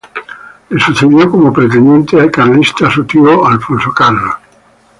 Le sucedió como pretendiente carlista su tío Alfonso Carlos.